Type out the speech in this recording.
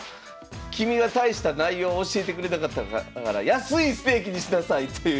「君は大した内容を教えてくれなかったから安いステーキにしなさい」という。